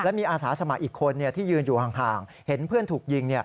มีอาสาสมัครอีกคนที่ยืนอยู่ห่างเห็นเพื่อนถูกยิง